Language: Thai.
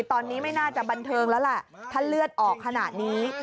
ตอนนี้ไม่น่าจะบันเทิงแล้วแหละถ้าเลือดออกขนาดนี้